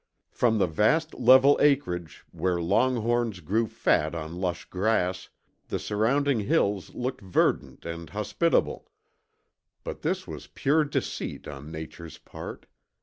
From the vast level acreage, where longhorns grew fat on lush grass, the surrounding hills looked verdant and hospitable; but this was pure deceit on Nature's part.